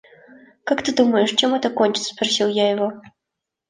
«Как ты думаешь, чем это кончится?» – спросил я его.